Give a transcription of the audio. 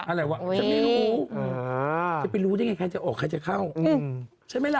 อะไรวะฉันไม่รู้จะไปรู้ได้ไงใครจะออกใครจะเข้าใช่ไหมล่ะ